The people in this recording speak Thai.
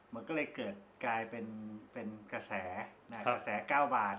มันก็เลยเกิดกลายเป็นกระแสกระแส๙บาท